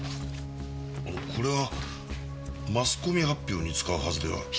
これはマスコミ発表に使うはずでは？